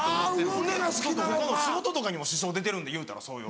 他の仕事とかにも支障出てるんでいうたらそういう。